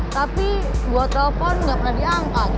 tapi gue telpon gak pernah diangkat